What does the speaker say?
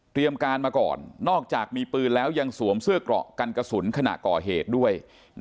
การมาก่อนนอกจากมีปืนแล้วยังสวมเสื้อเกราะกันกระสุนขณะก่อเหตุด้วย